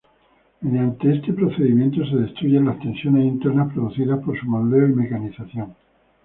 Mediante este procedimiento se destruyen las tensiones internas producidas por su moldeo y mecanización.